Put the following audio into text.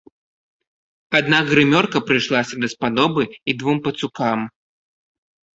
Аднак грымёрка прыйшлася даспадобы і двум пацукам.